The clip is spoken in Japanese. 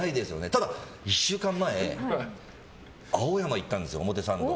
ただ、１週間前青山に行ったんです、表参道。